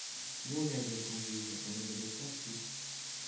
—Non, Ned, répondis-je, elle ne valait pas plus.